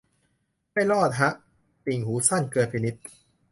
ไม่รอดฮะ ติ่งหูสั้นเกินไปนิด